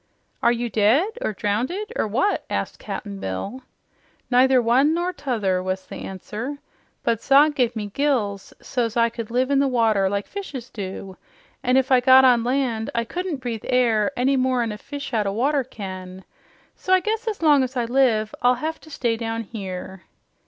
"Are you dead, or drownded, or what?" asked Cap'n Bill. "Neither one nor t'other," was the answer. "But Zog gave me gills so's I could live in the water like fishes do, an' if I got on land I couldn't breathe air any more'n a fish out o' water can. So I guess as long as I live, I'll hev to stay down here."